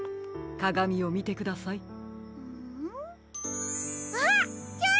かがみをみてください。